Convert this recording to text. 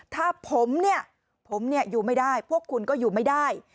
ถ้าผมเนี่ยผมอยู่ไม่ได้พวกคุณก็อยู่ไม่ได้